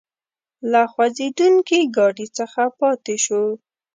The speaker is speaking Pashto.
له خوځېدونکي ګاډي څخه پاتې شوو.